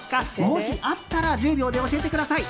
もしあったら１０秒で教えてください！